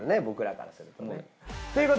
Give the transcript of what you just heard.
僕らからするとね。